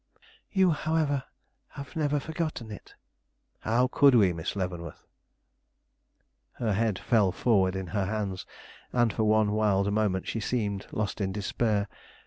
"You, however, have never forgotten it?" "How could we, Miss Leavenworth?" Her head fell forward in her hands, and for one wild moment she seemed lost in despair.